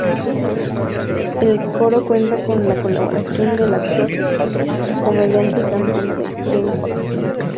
El coro cuenta con la colaboración del actor, comediante y cantante Jamie Foxx.